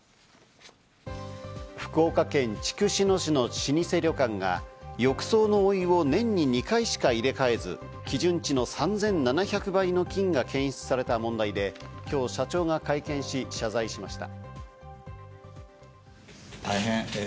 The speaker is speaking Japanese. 福岡県筑紫野市の老舗旅館が浴槽のお湯を年に２回しか入れ替えず、基準値の３７００倍の菌が検出された問題で今日、社長が会見し謝罪しました。